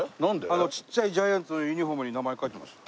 あのちっちゃいジャイアンツのユニホームに名前書いてました。